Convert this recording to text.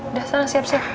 udah sana siap siap